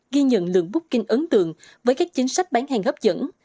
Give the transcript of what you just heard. ghi nhận lượng booking ấn tượng với các chính sách bán hàng hấp dẫn